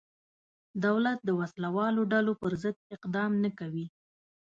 دولت د وسله والو ډلو پرضد اقدام نه کوي.